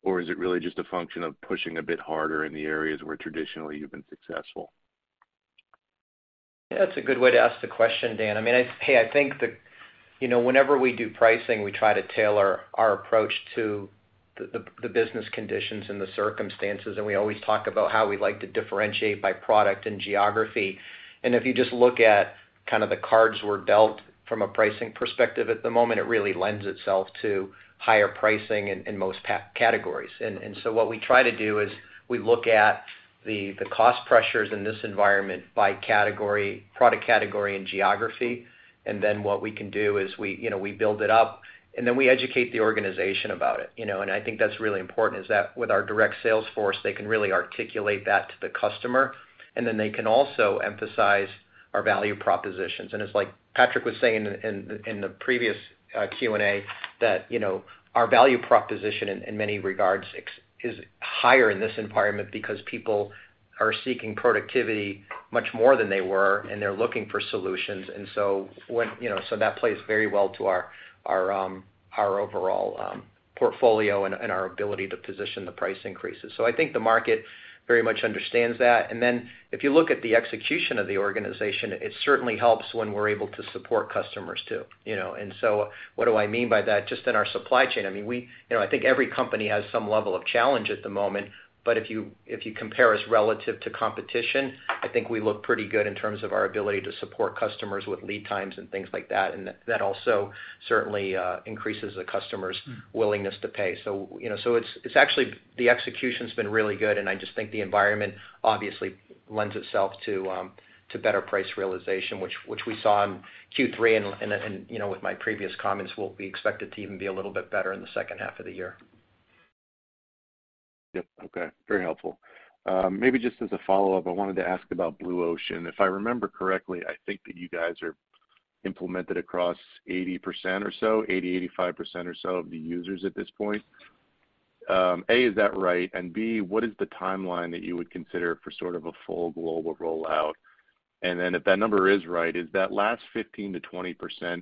Or is it really just a function of pushing a bit harder in the areas where traditionally you've been successful? That's a good way to ask the question, Dan. I mean, hey, I think, you know, whenever we do pricing, we try to tailor our approach to the business conditions and the circumstances, and we always talk about how we like to differentiate by product and geography. If you just look at kind of the cards we're dealt from a pricing perspective at the moment, it really lends itself to higher pricing in most categories. So what we try to do is we look at the cost pressures in this environment by category, product category and geography. Then what we can do is we, you know, we build it up, and then we educate the organization about it, you know. I think that's really important that with our direct sales force, they can really articulate that to the customer, and then they can also emphasize our value propositions. It's like Patrick was saying in the previous Q&A that, you know, our value proposition in many regards is higher in this environment because people are seeking productivity much more than they were, and they're looking for solutions. That plays very well to our overall portfolio and our ability to position the price increases. I think the market very much understands that. Then if you look at the execution of the organization, it certainly helps when we're able to support customers too, you know. What do I mean by that? Just in our supply chain, I mean, we, you know, I think every company has some level of challenge at the moment. If you compare us relative to competition, I think we look pretty good in terms of our ability to support customers with lead times and things like that. That also certainly increases the customer's willingness to pay. You know, it's actually the execution's been really good, and I just think the environment obviously lends itself to better price realization, which we saw in Q3. You know, with my previous comments, we'll be expected to even be a little bit better in the second half of the year. Yep. Okay. Very helpful. Maybe just as a follow-up, I wanted to ask about Blue Ocean. If I remember correctly, I think that you guys are implemented across 80% or so, 80%-85% or so of the users at this point. A, is that right? And B, what is the timeline that you would consider for sort of a full global rollout? And then if that number is right, is that last 15%-20%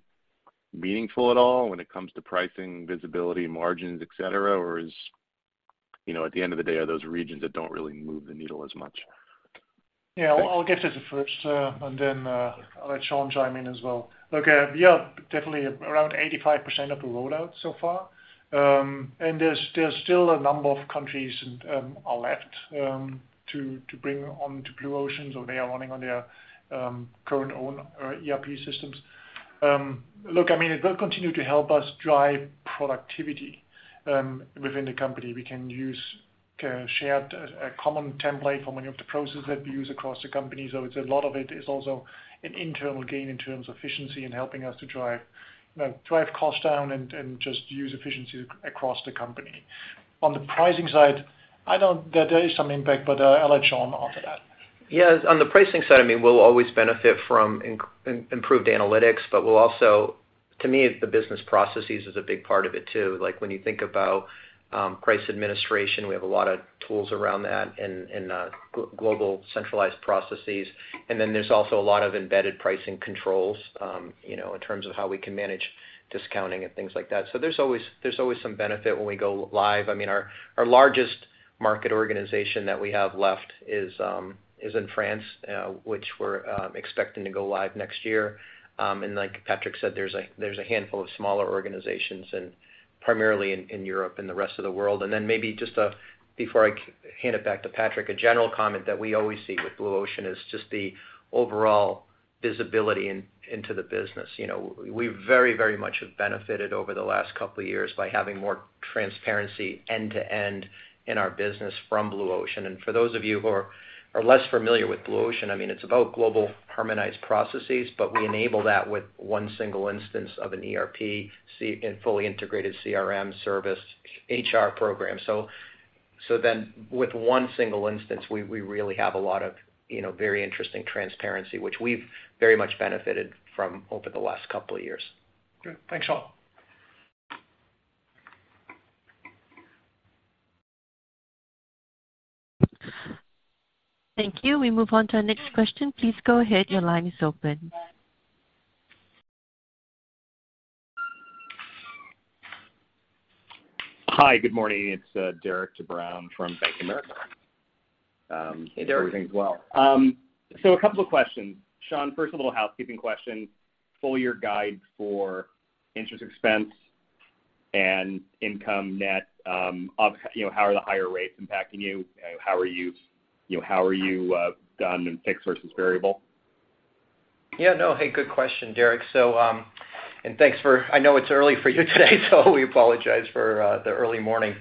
meaningful at all when it comes to pricing, visibility, margins, etc.? Or, you know, at the end of the day, are those regions that don't really move the needle as much? Yeah, I'll get to the first, and then I'll let Shawn chime in as well. Look, we are definitely around 85% of the rollout so far. There's still a number of countries are left to bring on to Blue Ocean, so they are running on their current own ERP systems. Look, I mean, it will continue to help us drive productivity within the company. We can share a common template for many of the processes that we use across the company. It's a lot of it is also an internal gain in terms of efficiency and helping us to drive, you know, costs down and just use efficiency across the company. On the pricing side, I don't. There is some impact, but I'll let Shawn offer that. Yes. On the pricing side, I mean, we'll always benefit from improved analytics, but we'll also, to me, the business processes is a big part of it too. Like, when you think about price administration, we have a lot of tools around that and global centralized processes. And then there's also a lot of embedded pricing controls, you know, in terms of how we can manage discounting and things like that. There's always some benefit when we go live. I mean, our largest market organization that we have left is in France, which we're expecting to go live next year. Like Patrick said, there's a handful of smaller organizations and primarily in Europe and the rest of the world. Maybe just before I hand it back to Patrick, a general comment that we always see with Blue Ocean is just the overall visibility into the business. You know, we very, very much have benefited over the last couple of years by having more transparency end-to-end in our business from Blue Ocean. For those of you who are less familiar with Blue Ocean, I mean, it's about global harmonized processes, but we enable that with one single instance of an ERP system and fully integrated CRM, service, HR program. Then with one single instance, we really have a lot of, you know, very interesting transparency, which we've very much benefited from over the last couple of years. Good. Thanks, Shawn. Thank you. We move on to our next question. Please go ahead. Your line is open. Hi. Good morning. It's Derik De Bruin from Bank of America. Hey, Derik. Hope everything's well. A couple of questions. Shawn, first a little housekeeping question. Full-year guide for interest expense and income net of, you know, how are the higher rates impacting you? You know, how are you done in fixed versus variable? Yeah, no. Hey, good question, Derik. I know it's early for you today, so we apologize for the early morning.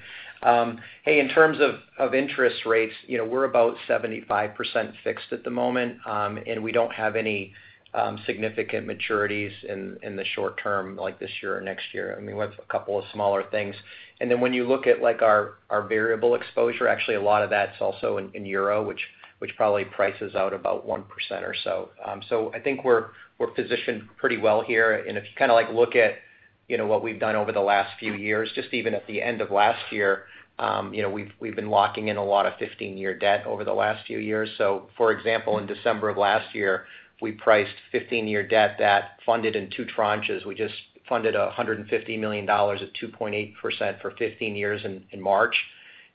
Hey, in terms of interest rates, you know, we're about 75% fixed at the moment, and we don't have any significant maturities in the short term like this year or next year. I mean, we have a couple of smaller things. When you look at like our variable exposure, actually a lot of that's also in euro, which probably prices out about 1% or so. I think we're positioned pretty well here. If you kinda like look at, you know, what we've done over the last few years, just even at the end of last year, you know, we've been locking in a lot of 15-year debt over the last few years. For example, in December of last year, we priced 15-year debt that funded in two tranches. We just funded $150 million at 2.8% for 15 years in March,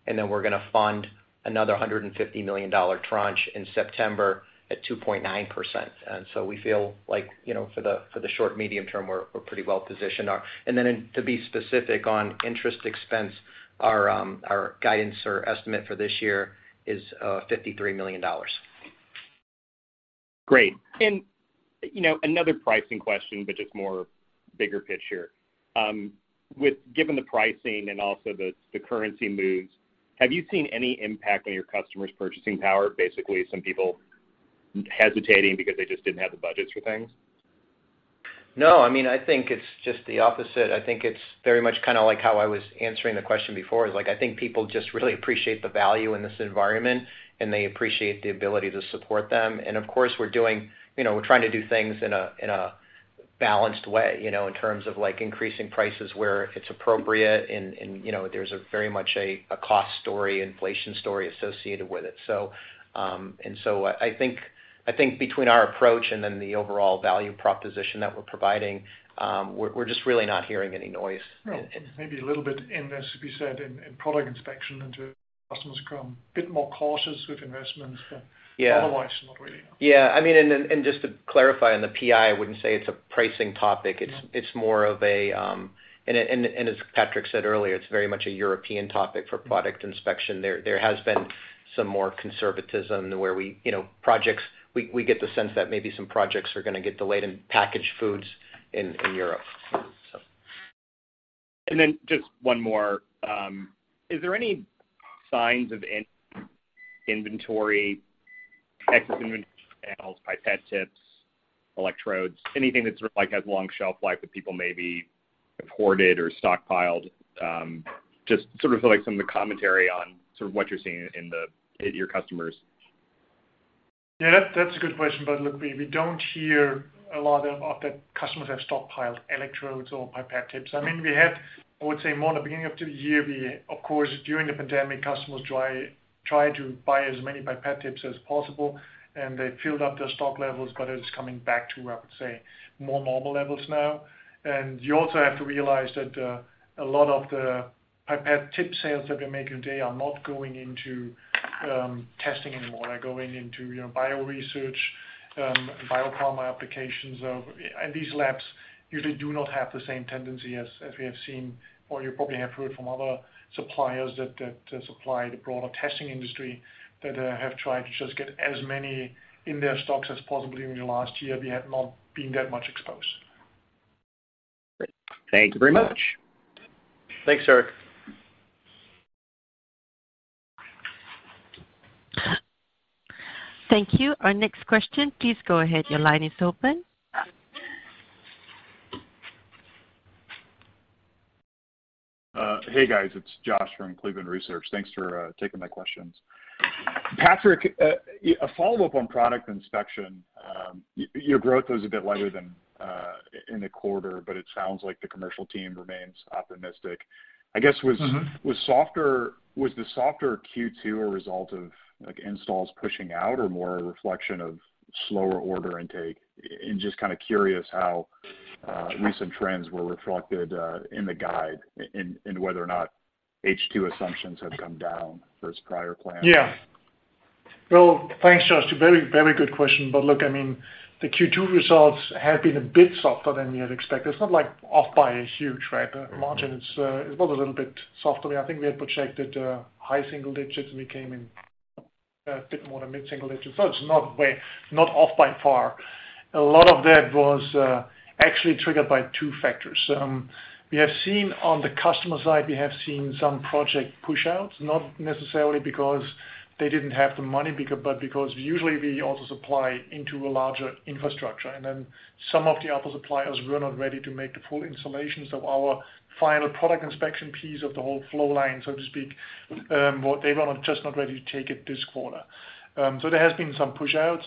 and then we're gonna fund another $150 million tranche in September at 2.9%. We feel like, you know, for the short medium term, we're pretty well-positioned. Then, to be specific on interest expense, our guidance or estimate for this year is $53 million. Great. You know, another pricing question, but just more bigger picture. With given the pricing and also the currency moves, have you seen any impact on your customers' purchasing power? Basically, some people hesitating because they just didn't have the budgets for things? No, I mean, I think it's just the opposite. I think it's very much kinda like how I was answering the question before. It's like, I think people just really appreciate the value in this environment, and they appreciate the ability to support them. Of course, we're trying to do things in a balanced way, you know, in terms of like increasing prices where it's appropriate and, you know, there's very much a cost story, inflation story associated with it. I think between our approach and then the overall value proposition that we're providing, we're just really not hearing any noise. No. Maybe a little bit in this. We said in Product Inspection, too, customers become a bit more cautious with investments, but. Yeah. Otherwise, not really. Yeah. I mean, just to clarify on the PI, I wouldn't say it's a pricing topic. It's more of a, as Patrick said earlier, it's very much a European topic for Product Inspection. There has been some more conservatism where we, you know, get the sense that maybe some projects are gonna get delayed in packaged foods in Europe. Just one more. Is there any signs of inventory, excess inventory sales, pipette tips, electrodes, anything that sort of like has long shelf life that people maybe have hoarded or stockpiled? Just sort of feel like some of the commentary on sort of what you're seeing in your customers. Yeah, that's a good question. Look, we don't hear a lot of that customers have stockpiled electrodes or pipette tips. I mean, I would say more in the beginning of the year, we of course, during the pandemic, customers tried to buy as many pipette tips as possible, and they filled up their stock levels, but it's coming back to, I would say, more normal levels now. You also have to realize that a lot of the pipette tip sales that we make today are not going into testing anymore. They're going into, you know, bio research, biopharma applications. These labs usually do not have the same tendency as we have seen or you probably have heard from other suppliers that supply the broader testing industry that have tried to just get as many in their stocks as possible in the last year. We have not been that much exposed. Great. Thank you very much. Thanks, Derik. Thank you. Our next question, please go ahead. Your line is open. Hey, guys, it's Josh from Cleveland Research. Thanks for taking my questions. Patrick, a follow-up on Product Inspection. Your growth was a bit lighter than in the quarter, but it sounds like the commercial team remains optimistic. I guess was Mm-hmm. Was the softer Q2 a result of, like, installs pushing out or more a reflection of slower order intake? Just kinda curious how recent trends were reflected in the guide and whether or not H2 assumptions have come down versus prior plans? Yeah. Well, thanks, Josh. Very, very good question. Look, I mean, the Q2 results have been a bit softer than we had expected. It's not like off by a huge, right, margin. Mm-hmm. It was a little bit softer. I think we had projected high single-digits%, and we came in a bit more than mid-single-digits%. It's not way off by far. A lot of that was actually triggered by two factors. We have seen on the customer side some project push outs, not necessarily because they didn't have the money but because usually we also supply into a larger infrastructure. Some of the other suppliers were not ready to make the full installation. Our final Product Inspection piece of the whole flow line, so to speak, what they want are just not ready to take it this quarter. There has been some push outs.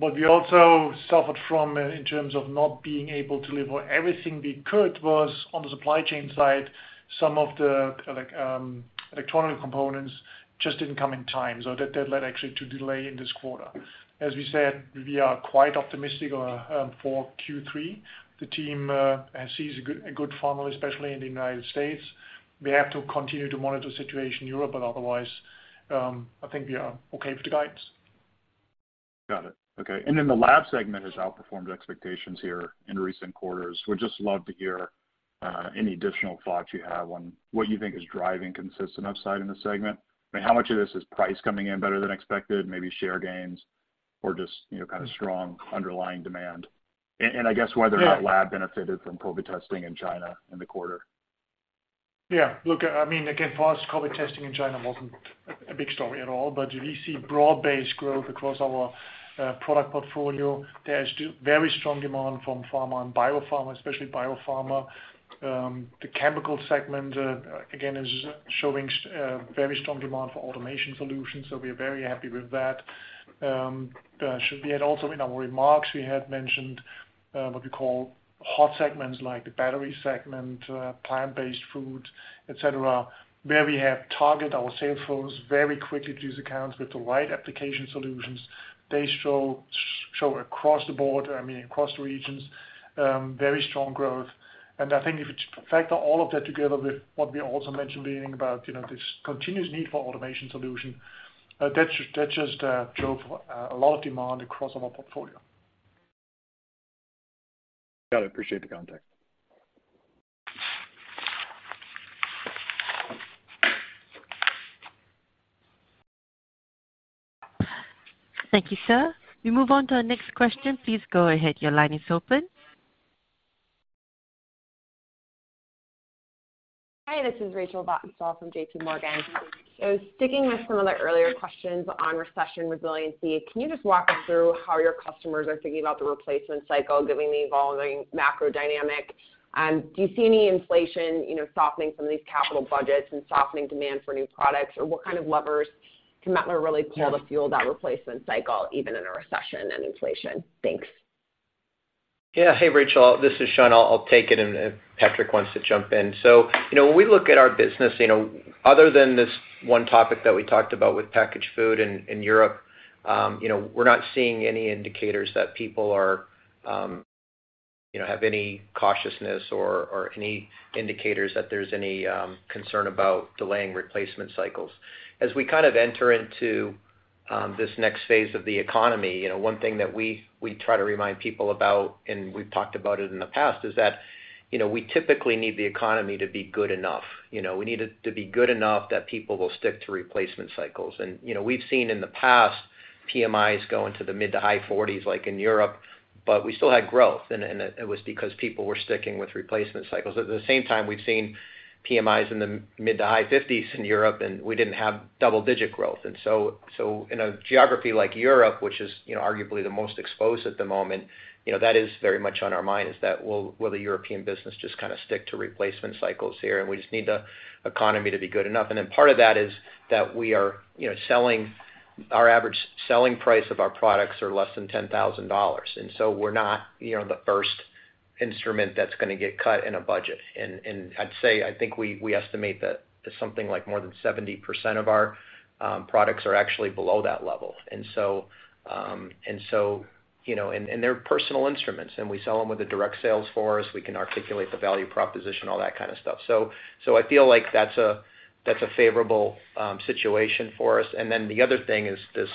We also suffered from, in terms of not being able to deliver everything we could, was on the supply chain side, some of the, like, electronic components just didn't come in time. That did lead actually to delay in this quarter. As we said, we are quite optimistic for Q3. The team sees a good funnel, especially in the United States. We have to continue to monitor the situation in Europe. Otherwise, I think we are okay with the guides. Got it. Okay. The Lab segment has outperformed expectations here in recent quarters. Would just love to hear, any additional thoughts you have on what you think is driving consistent upside in the segment. I mean, how much of this is price coming in better than expected, maybe share gains or just, you know, kind of strong underlying demand? I guess whether or not... Yeah. Lab benefited from COVID testing in China in the quarter. Yeah. Look, I mean, again, for us, COVID testing in China wasn't a big story at all. We see broad-based growth across our product portfolio. There's still very strong demand from pharma and biopharma, especially biopharma. The Chemical segment, again, is showing very strong demand for automation solutions, so we are very happy with that. Should we add also in our remarks, we had mentioned what we call hot segments like the Battery segment, plant-based food, etc, where we have targeted our sales force very quickly to these accounts with the right application solutions. They show across the board, I mean, across the regions, very strong growth. I think if you factor all of that together with what we also mentioned beginning about, you know, this continuous need for automation solution, that just drove a lot of demand across our portfolio. Got it. Appreciate the context. Thank you, sir. We move on to our next question. Please go ahead. Your line is open. Hi, this is Rachel Vatnsdal from JPMorgan. Sticking with some of the earlier questions on recession resiliency, can you just walk us through how your customers are thinking about the replacement cycle given the evolving macro dynamic? Do you see any inflation, you know, softening some of these capital budgets and softening demand for new products? Or what kind of levers can Mettler really pull to fuel that replacement cycle, even in a recession and inflation? Thanks. Yeah. Hey, Rachel, this is Shawn. I'll take it and if Patrick wants to jump in. You know, when we look at our business, you know, other than this one topic that we talked about with packaged food in Europe, you know, we're not seeing any indicators that people are, you know, have any cautiousness or any indicators that there's any concern about delaying replacement cycles. As we kind of enter into this next phase of the economy, you know, one thing that we try to remind people about, and we've talked about it in the past, is that, you know, we typically need the economy to be good enough. You know, we need it to be good enough that people will stick to replacement cycles. You know, we've seen in the past PMIs go into the mid- to high 40s like in Europe, but we still had growth, and it was because people were sticking with replacement cycles. At the same time, we've seen PMIs in the mid- to high 50s in Europe, and we didn't have double-digit growth. In a geography like Europe, which is, you know, arguably the most exposed at the moment, you know, that is very much on our mind is that will the European business just kind of stick to replacement cycles here, and we just need the economy to be good enough. Part of that is that we are, you know, selling. Our average selling price of our products are less than $10,000, and so we're not, you know, the first instrument that's gonna get cut in a budget. I'd say, I think we estimate that something like more than 70% of our products are actually below that level. You know, they're personal instruments, and we sell them with a direct sales force. We can articulate the value proposition, all that kind of stuff. I feel like that's a favorable situation for us. The other thing is this,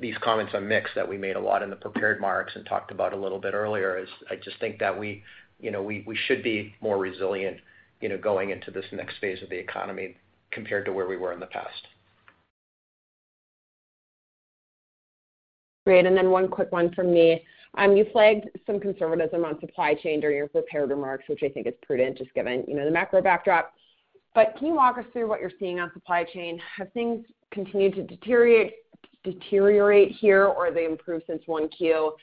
these comments on mix that we made a lot in the prepared remarks and talked about a little bit earlier is I just think that we, you know, we should be more resilient, you know, going into this next phase of the economy compared to where we were in the past. Great. One quick one from me. You flagged some conservatism on supply chain during your prepared remarks, which I think is prudent, just given, you know, the macro backdrop. Can you walk us through what you're seeing on supply chain? Have things continued to deteriorate here, or they improved since 1Q? Do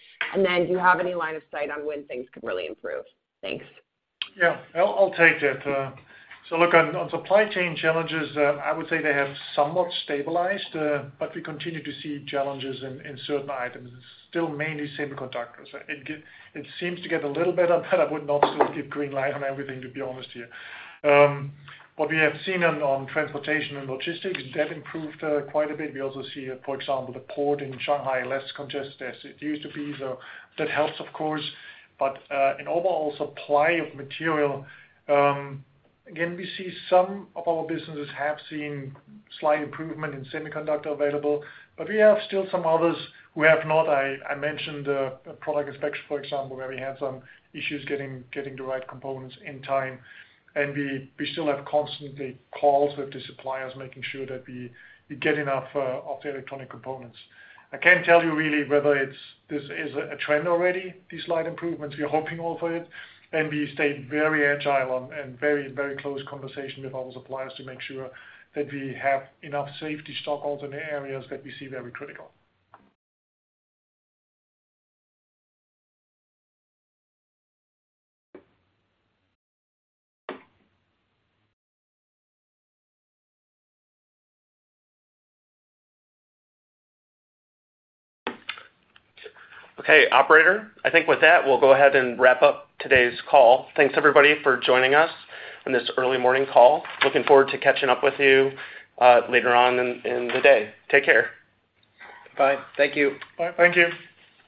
you have any line of sight on when things could really improve? Thanks. Yeah. I'll take that. Look, on supply chain challenges, I would say they have somewhat stabilized, but we continue to see challenges in certain items. It's still mainly semiconductors. It seems to get a little better, but I would not still give green light on everything, to be honest here. What we have seen on transportation and logistics, that improved quite a bit. We also see, for example, the port in Shanghai less congested as it used to be. That helps of course. In overall supply of material, again, we see some of our businesses have seen slight improvement in semiconductor availability, but we have still some others who have not. I mentioned Product Inspection, for example, where we had some issues getting the right components in time. We still have constant calls with the suppliers, making sure that we get enough of the electronic components. I can't tell you really whether this is a trend already, these slight improvements. We're hoping all for it, and we stay very agile and very, very close conversations with our suppliers to make sure that we have enough safety stock holding in the areas that we see very critical. Operator, I think with that, we'll go ahead and wrap up today's call. Thanks everybody for joining us in this early morning call. Looking forward to catching up with you later on in the day. Take care. Bye. Thank you. Bye. Thank you.